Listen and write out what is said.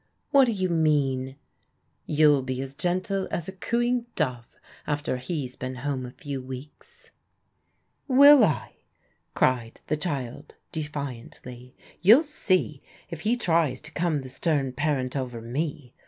" What do you mean? "" You'll be as gentle as a cooing dove after he's been home a few weeks." "Will I?" cried the child defiantly. "You'll see if he tries to come the stem parent over me.